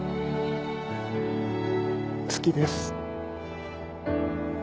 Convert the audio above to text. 好きです。